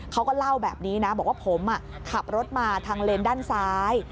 เขาก็เล่าแบบนี้นะบอกว่าผมขับรถมาทางเลนด้านซ้าย